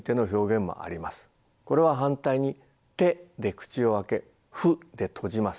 これは反対に「て」で口を開け「ふ」で閉じます。